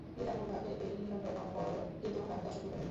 গীতার মূলভাব এই নিরন্তর কর্ম কর, কিন্তু তাহাতে আসক্ত হইও না।